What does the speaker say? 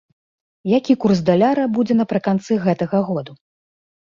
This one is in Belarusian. Які курс даляра будзе напрыканцы гэтага году?